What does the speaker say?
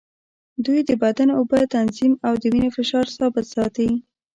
دوی د بدن اوبه تنظیم او د وینې فشار ثابت ساتي.